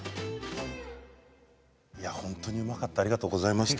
いや本当にうまかったありがとうございました。